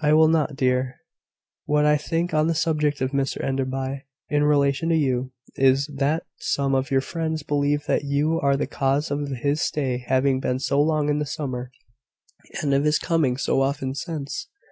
"I will not, dear. What I think on the subject of Mr Enderby, in relation to you, is, that some of your friends believe that you are the cause of his stay having been so long in the summer, and of his coming so often since.